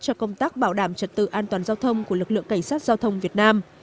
cho công tác bảo đảm trật tự an toàn giao thông của lực lượng cảnh sát giao thông việt nam